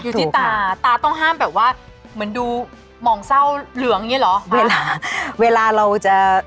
อยู่ที่ตาตาต้องห้ามแบบว่าเหมือนดูมองเศร้าเหลืองอย่างงี้เหรอ